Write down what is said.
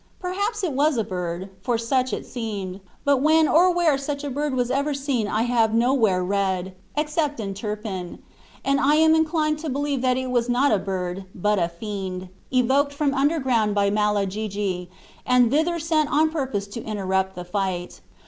Perhaps it was a bird, for such it seemed; but when or where such a bird was ever seen I have nowhere read, except in Turpin; and I am inclined to believe that it was not a bird, but a fiend, evoked from underground by Malagigi, and thither sent on purpose to interrupt the fight.